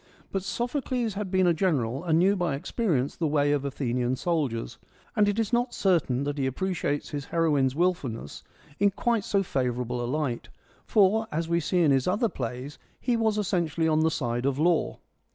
But Sophocles had been a general, and knew by experience the way of Athenian soldiers, and it is not certain that he appreciates his heroine's wilfulness in quite so favourable a light ; for, as we see in his other plays, he was essentially on the side of law.